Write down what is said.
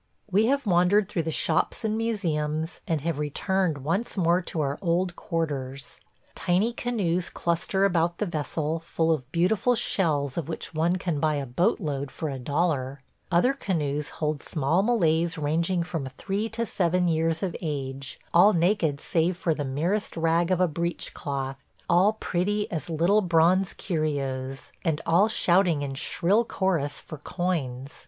We have wandered through the shops and museums, and have returned once more to our old quarters. Tiny canoes cluster about the vessel, full of beautiful shells of which one can buy a boat load for a dollar. Other canoes hold small Malays ranging from three to seven years of age, all naked save for the merest rag of a breechcloth, all pretty as little bronze curios, and all shouting in shrill chorus for coins.